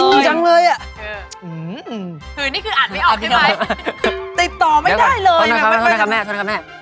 โทษนะครับโทษนะครับแม่โทษนะครับแม่